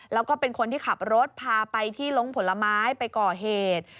แล้วก็เป็นคนที่ขับรถพาไปที่ลงผลไม้ไปก่อเหตุ